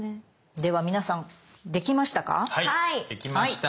では皆さんできましたか？